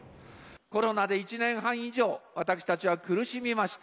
コロナで１年半以上、私たちは苦しみました。